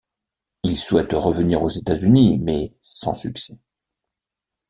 Il souhaite revenir aux États-Unis, mais sans succès.